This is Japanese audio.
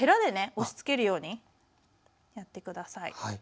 押しつけるようにやって下さい。